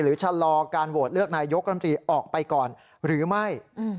ชะลอการโหวตเลือกนายยกรมตรีออกไปก่อนหรือไม่